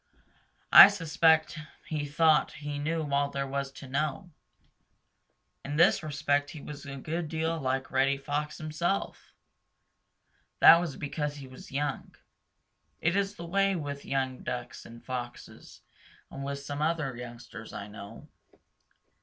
I suspect he thought he knew all there was to know. In this respect he was a good deal like Reddy Fox himself. That was because he was young. It is the way with young Ducks and Foxes and with some other youngsters I know.